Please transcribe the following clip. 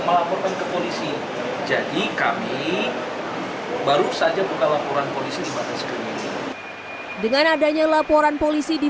melaporkan ke polisi jadi kami baru saja buka laporan polisi dibataskan dengan adanya laporan polisi di